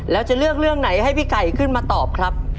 แล้วจะเลือกเรื่องไหนให้พี่ไก่ขึ้นมาตอบครับ